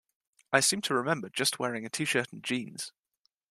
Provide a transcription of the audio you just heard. I seem to remember just wearing a t-shirt and jeans.